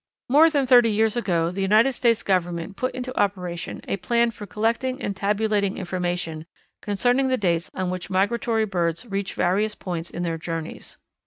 _ More than thirty years ago the United States Government put into operation a plan for collecting and tabulating information concerning the dates on which migratory birds reach various points in their journeys.